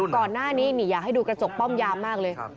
ก่อนหน้านี้อยากให้ดูกระจกป้อมยามมากเลย